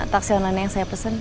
taksi onan yang saya pesen